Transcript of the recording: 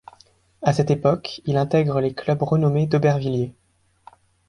À cette époque, il intègre le club renommé d'Aubervilliers.